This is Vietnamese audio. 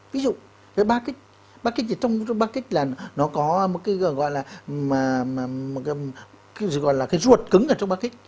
ví dụ cái ba kích ba kích thì trong ba kích là nó có một cái gọi là cái ruột cứng ở trong ba kích